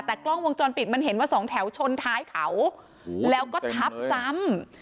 แต่กล้องวงจรปิดมันเห็นว่าสองแถวชนท้ายเขาแล้วก็ทับซ้ำ